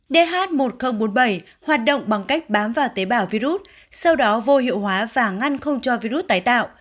dh một nghìn bốn mươi bảy hoạt động bằng cách bám vào tế bào virus sau đó vô hiệu hóa và ngăn không cho virus tái tạo